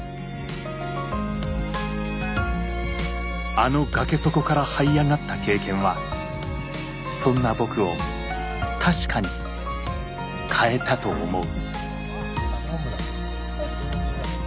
あの崖底からはい上がった経験はそんな僕を確かに変えたと思う。